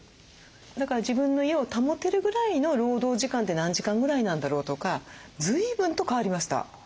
だから自分の家を保てるぐらいの労働時間って何時間ぐらいなんだろうとか随分と変わりました。